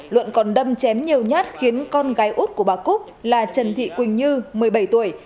luận còn đâm chém nhiều nhát khiến con gái út của bà cúc là trần thị quỳnh như một mươi bảy tuổi